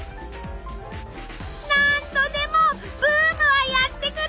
何度でもブームはやって来る！